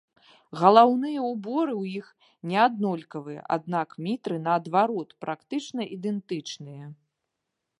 Галаўныя ўборы ў іх не аднолькавыя, аднак мітры наадварот практычна ідэнтычныя.